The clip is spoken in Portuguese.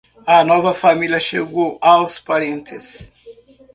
A nova família chegou aos parentes.